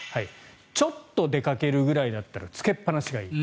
ちょっと出かけるぐらいだったらつけっぱなしがいい。